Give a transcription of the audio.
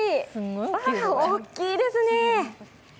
わぁ、大きいですね。